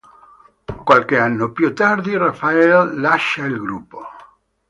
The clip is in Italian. Qualche anno più tardi Raphaël lascia il gruppo.